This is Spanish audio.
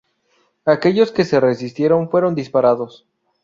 Aquellos que se resistieron fueron disparados.